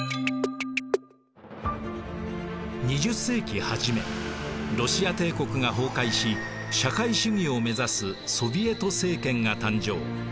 ２０世紀初めロシア帝国が崩壊し社会主義を目指すソヴィエト政権が誕生。